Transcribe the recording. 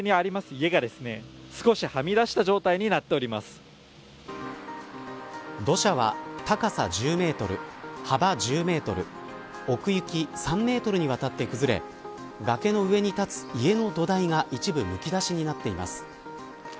家が少しはみ出した状態に土砂は高さ１０メートル幅１０メートル奥行き３メートルにわたって崩れ崖の上に建つ家の土台が一部むき出しになっています。